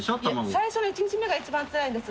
最初の１日目が一番つらいんです。